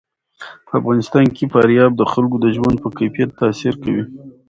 په افغانستان کې فاریاب د خلکو د ژوند په کیفیت تاثیر کوي.